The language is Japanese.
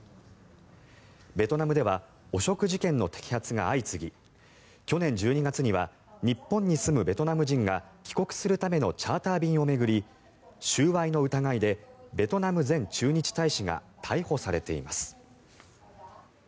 ベトナムでは汚職事件の摘発が相次ぎ去年１２月には日本に住むベトナム人が帰国するためのチャーター便を巡り収賄の疑いでベトナム前駐日大使が逮捕されています。